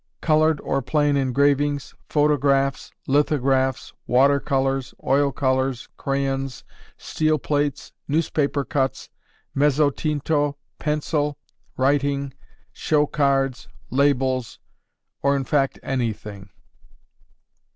_ Colored or plain Engravings, Photographs, Lithographs, Water Colors, Oil Colors, Crayons, Steel Plates, Newspaper Cuts, Mezzotinto, Pencil, Writing, Show Cards, Labels, or in fact anything.